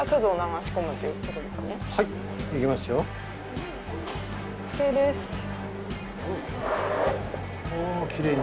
はい。